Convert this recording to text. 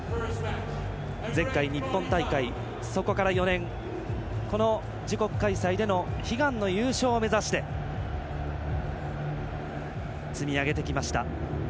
前回の日本大会、そこから４年この自国開催での悲願の優勝を目指して積み上げてきました。